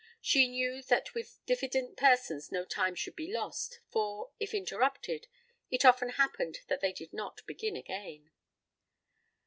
She knew that with diffident persons no time should be lost, for, if interrupted, it often happened that they did not begin again.